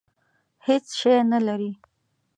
هېڅ شی نه لري.